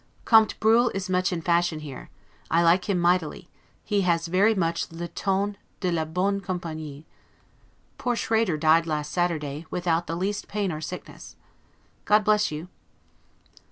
Comte Bruhl is much in fashion here; I like him mightily; he has very much 'le ton de la bonne campagnie'. Poor Schrader died last Saturday, without the least pain or sickness. God bless you!